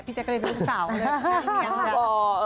พี่แจ๊กก็เลยเป็นผู้สาวเลยแม่งเนี้ย